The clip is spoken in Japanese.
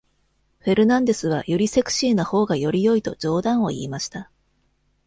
フェルナンデスはよりセクシーな方がより良いと冗談を言いました。